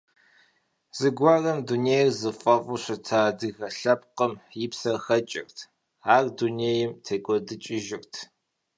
Зэгуэрым дунейр зыфӀэӀэфӀу щыта адыгэ лъэпкъым, и псэр хэкӀырт, ар дунейм текӀуэдыкӀыжырт.